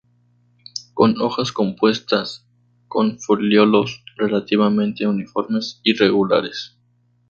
Con hojas compuestas, con foliolos relativamente uniformes y regulares.